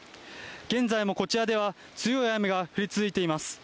現在もこちらでは強い雨が降り続いています。